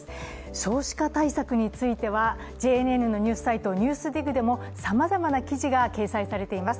少子化対策についてはＪＮＮのニューサイト「ＮＥＷＳＤＩＧ」でもさまざまな記事が掲載されています。